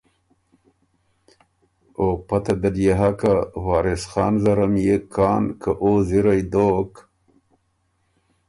او پته دل يې هۀ که وارث خان زرم يېکان که او زِرئ دوک